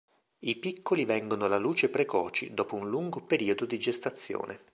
I piccoli vengono alla luce precoci, dopo un lungo periodo di gestazione.